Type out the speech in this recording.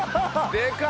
でかい！